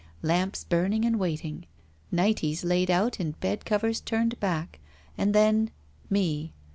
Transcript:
Lamps burning and waiting. Nighties laid out and bedcovers turned back. And then — me.